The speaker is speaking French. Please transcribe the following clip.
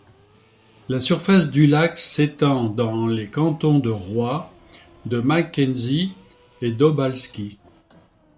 La surface du lac s’étend dans les cantons de Roy, de McKenzie, et d’Obalski.